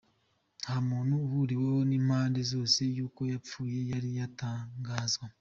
Nta makuru ahuriweho n'impande zose yuko yapfuye yari yatangazwa.